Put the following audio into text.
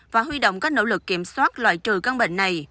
và huy động các nỗ lực kiểm soát loại trừ căn bệnh này